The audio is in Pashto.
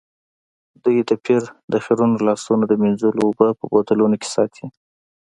دوی د پیر د خیرنو لاسونو د مینځلو اوبه په بوتلونو کې ساتي.